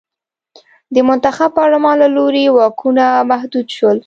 د منتخب پارلمان له لوري واکونه محدود شول.